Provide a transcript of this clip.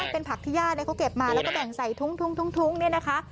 เป็นผักที่ญาติเนี้ยเขาเก็บมาแล้วก็แบ่งใส่ทุ่งทุ่งทุ่งทุ่งเนี้ยนะคะ